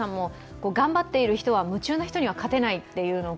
頑張っている人は夢中な人には勝てないと。